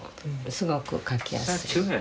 すごく書きやすい。